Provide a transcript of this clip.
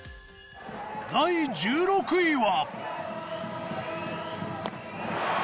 第１６位は。